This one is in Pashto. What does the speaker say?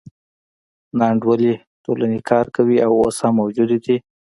ناانډولې ټولنې کار کوي او اوس هم موجودې دي.